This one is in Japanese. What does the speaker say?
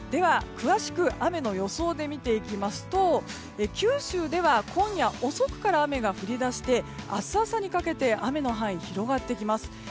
詳しく雨の予想で見ていきますと九州では今夜遅くから雨が降りだして明日朝にかけて雨の範囲が広がってきます。